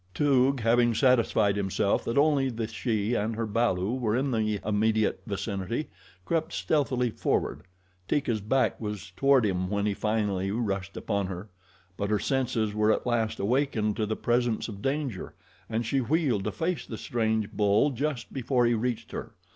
Toog, having satisfied himself that only the she and her balu were in the immediate vicinity, crept stealthily forward. Teeka's back was toward him when he finally rushed upon her; but her senses were at last awakened to the presence of danger and she wheeled to face the strange bull just before he reached her.